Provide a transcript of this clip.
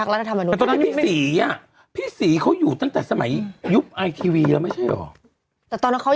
เขาก็ลองแต่ตอนนั้นอาจจะไม่มีพลบของใช่หรอ